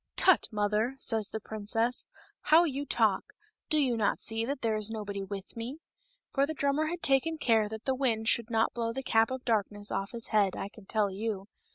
" Tut, mother ! says the princess, " how you talk ! do you not see that there is nobody with me ?*' For the drummer had taken care that the wind should not blow the cap of darkness off of his head, I can tell you.